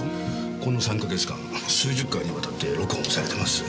この３か月間数十回に渡って録音されてます。